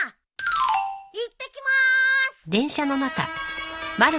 いってきます！